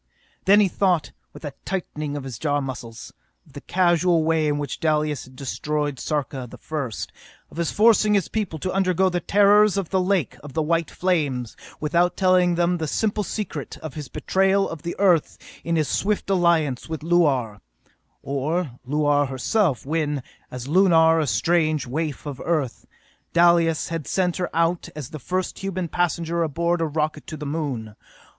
Then he thought, with a tightening of his jaw muscles, of the casual way in which Dalis had destroyed Sarka the First, of his forcing his people to undergo the terrors of the lake of white flames without telling them the simple secret; of his betrayal of the Earth in his swift alliance with Luar; or Luar herself when, as Lunar, a strange waif of Earth, Dalis had sent her out as the first human passenger aboard a rocket to the Moon.